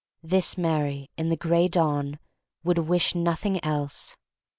This Mary, in the Gray Dawn, would wish nothing else.